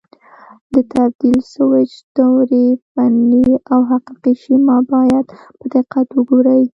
د تبدیل سویچ دورې فني او حقیقي شیما باید په دقت وګورئ.